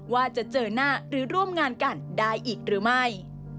ว่าจะเจอหน้าหรือร่วมงานกันได้อีกหรือไม่